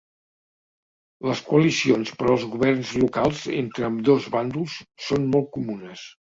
Les coalicions per als governs locals entre ambdós bàndols són molt comunes.